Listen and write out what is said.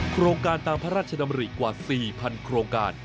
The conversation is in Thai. โครงการตามพระราชดำริกว่า๔๐๐โครงการ